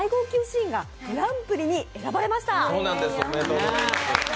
シーンがグランプリに選ばれました。